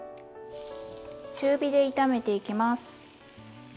中火で炒めていきます。